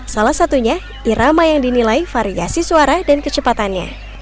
salah satunya irama yang dinilai variasi suara dan kecepatannya